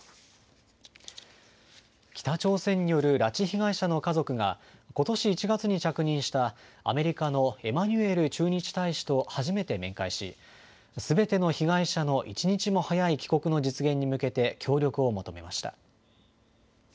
北朝鮮による拉致被害者の家族が、ことし１月に着任したアメリカのエマニュエル駐日大使と初めて面会し、すべての被害者の一日も早い帰国の実現に向けて、協力を求めました。